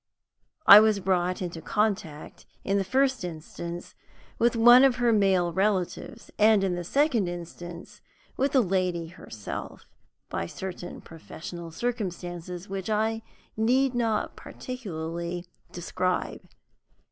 I was brought into contact, in the first instance, with one of her male relatives, and, in the second instance, with the lady herself, by certain professional circumstances which I need not particularly describe.